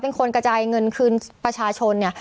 กระจายเงินคืนประชาชนเนี่ย